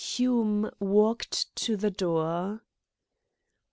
Hume walked to the door.